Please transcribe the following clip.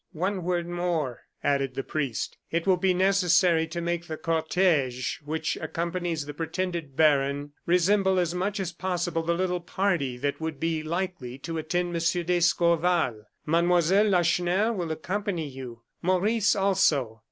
"One word more," added the priest. "It will be necessary to make the cortege which accompanies the pretended baron resemble as much as possible the little party that would be likely to attend Monsieur d'Escorval. Mademoiselle Lacheneur will accompany you; Maurice also.